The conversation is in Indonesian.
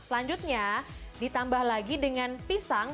selanjutnya ditambah lagi dengan pisang